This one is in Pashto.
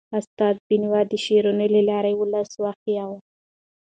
استاد بینوا د شعرونو له لارې ولس ویښاوه.